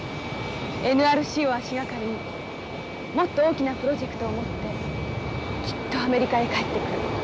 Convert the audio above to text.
ＮＲＣを足がかりにもっと大きなプロジェクトを持ってきっとアメリカへ帰ってくる。